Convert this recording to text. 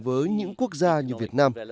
với những quốc gia như việt nam